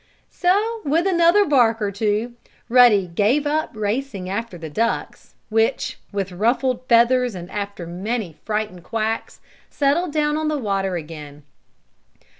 So, with another bark or two, Ruddy gave up racing after the ducks, which, with ruffled feathers and after many frightened quacks, settled down on the water again.